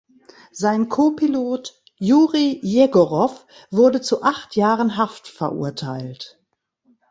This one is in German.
Sein Copilot Juri Jegorow wurde zu acht Jahren Haft verurteilt.